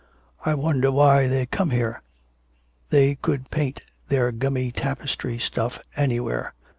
I wonder why they come here? They could paint their gummy tapestry stuff anywhere.'